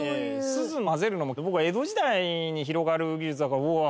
錫混ぜるのも僕は江戸時代に広がる技術だからうわあ